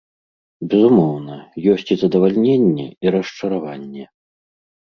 Безумоўна, ёсць і задавальненне, і расчараванне.